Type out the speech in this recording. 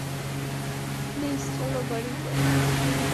Please, চলো বাড়ি যাই।